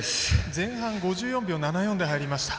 前半５４秒７４で入りました